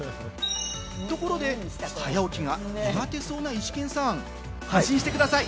ところで、早起きが苦手そうなイシケンさん、安心してください！